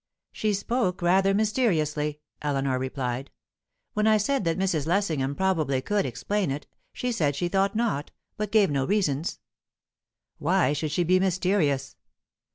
"She spoke rather mysteriously," Eleanor replied. "When I said that Mrs. Lessingham probably could explain it, she said she thought not, but gave no reasons." "Why should she be mysterious?"